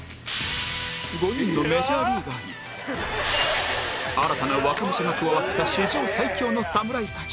５人のメジャーリーガーに新たな若武者が加わった史上最強の侍たち